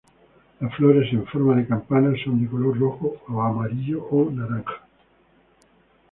Las flores en forma de campana son de color rojo o amarillo o naranja.